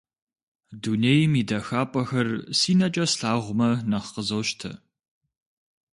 Дунейм и дахапӀэхэр си нэкӀэ слъагъумэ, нэхъ къызощтэ.